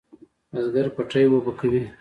بزگر پټی اوبه کوي.